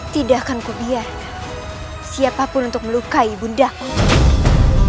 tidak akan ku biar siapapun untuk melukai putramu rai